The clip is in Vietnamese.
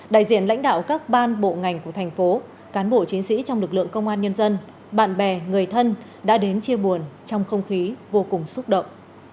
đại diện lãnh đạo các ban bộ ngành của thành phố cán bộ chiến sĩ trong lực lượng công an nhân dân bạn bè người thân đã đến chia buồn trong không khí vô cùng xúc động